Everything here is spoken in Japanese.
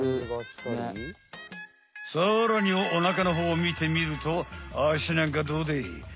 さらにおなかのほうを見てみるとあしなんかどうでい？